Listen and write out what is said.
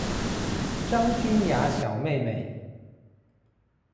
張君雅小妹妹